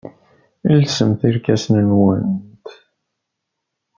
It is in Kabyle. Lsemt irkasen-nwent.